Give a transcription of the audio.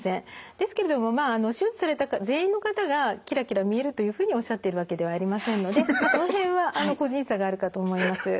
ですけれどもまあ手術された方全員の方がキラキラ見えるというふうにおっしゃってるわけではありませんのでその辺は個人差があるかと思います。